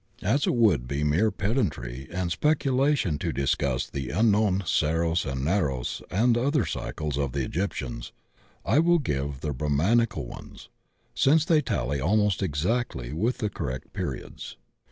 As it would be mere pedantry and speculation to dis cuss the unknown Saros and Naros and other cycles of the Egyptians, I will give the Brahmanical ones, since they tally almost exactly with the correct periods.